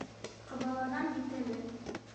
Ҡабаланам бит әле.